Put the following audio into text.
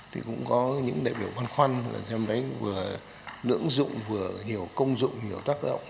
thì cũng có những đại biểu băn khoăn là xem đấy vừa nưỡng dụng vừa nhiều công dụng nhiều tác động